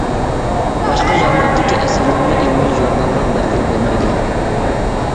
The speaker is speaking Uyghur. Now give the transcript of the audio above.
باشقا ژانىردىكى ئەسەرلەرنى ئىلمىي ژۇرنالغا بەرگىلى بولمايدۇ.